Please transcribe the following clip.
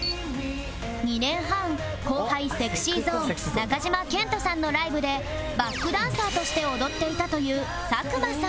２年半後輩 ＳｅｘｙＺｏｎｅ 中島健人さんのライブでバックダンサーとして踊っていたという佐久間さん